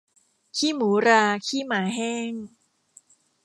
ขี้หมูราขี้หมาแห้ง